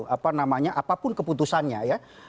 apa namanya apapun keputusannya ya